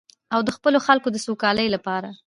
او د خپلو خلکو د سوکالۍ لپاره.